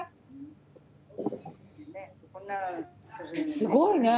すごいね！